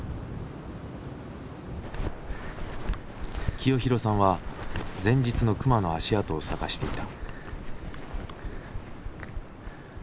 清弘さんは前日の熊の足跡を探していた。